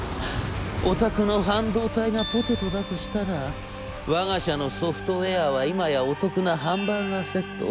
お宅の半導体がポテトだとしたらわが社のソフトウェアは今やお得なハンバーガーセット。